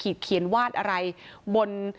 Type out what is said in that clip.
เขียนวาดอะไรบน